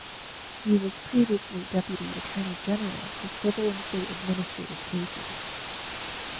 He was previously deputy attorney general for civil and state administrative cases.